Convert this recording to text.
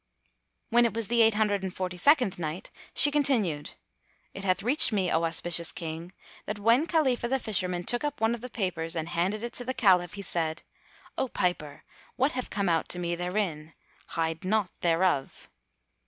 When it was the Eight Hundred and Forty second Night, She continued, It hath reached me, O auspicious King, that when Khalifah the Fisherman took up one of the papers and handed it to the Caliph he said, "O piper, what have come out to me therein? Hide naught thereof."